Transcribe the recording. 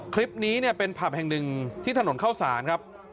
คลิปนี้เนี่ยเป็นผับแห่งหนึ่งที่ถนนเข้าสารครับ